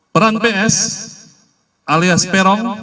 peran ps alias peron